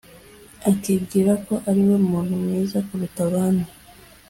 akibwira ko ari we muntu mwiza kuruta abandi